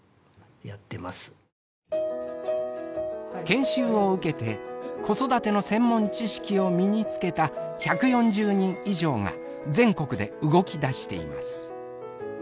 研修を受けて子育ての専門知識を身につけた１４０人以上が全国で動き出しています。